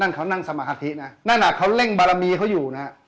นั่นเขานั่งสมาธินะครับนั่นน่ะเขาเร่งบารมีเขาอยู่นะครับ